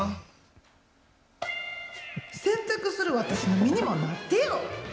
洗濯する私の身にもなってよ。